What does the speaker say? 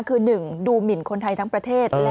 คือ๑ดูหมินคนไทยทั้งประเทศ